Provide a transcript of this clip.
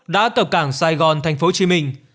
đã cập cảng sài gòn thành phố hồ chí minh